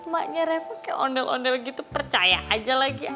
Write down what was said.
maknya revo kayak ondel ondel gitu percaya aja lagi